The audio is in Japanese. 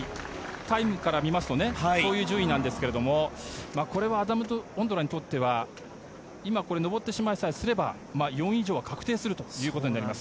タイムから見ますとそういう順位なんですがこれはアダム・オンドラにとっては今、登ってしまいさえすれば４位以上は確定するということになります。